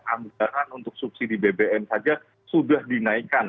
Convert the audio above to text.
anggaran untuk subsidi bbm saja sudah dinaikkan